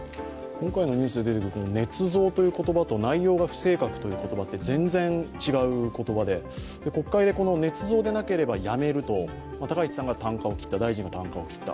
今回のニュースで出てくるねつ造という言葉と内容が不正確という言葉って全然違う言葉で、国会でねつ造でなければやめると、高市大臣がたんかを切った。